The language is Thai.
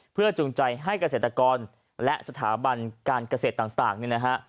เพื่อจูงใจให้เกษตรกรและสถาบันการเกษตรต่างนี่นะฮะ